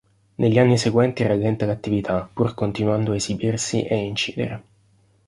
Negli anni seguenti rallenta l'attività, pur continuando ad esibirsi e ad incidere.